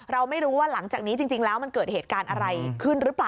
เราไม่รู้ว่าหลังจากนี้จริงแล้วมันเกิดเหตุการณ์อะไรขึ้นหรือเปล่า